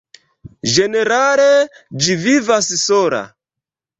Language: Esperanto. Ĝenerale ĝi vivas sola.